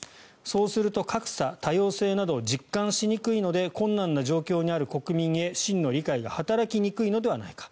そうすると格差、多様性などを実感しにくいので困難な状況にある国民へ真の理解が働きにくいのではないか。